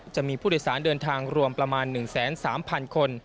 จะมีผู้โดยสารเดินทางรวมประมาณ๑๓๐๐๐คน